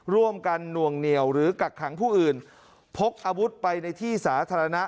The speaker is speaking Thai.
ร่วมกันหน่วงเหนียวหรือกักขังผู้อื่นพกอาวุธไปในที่สาธารณะ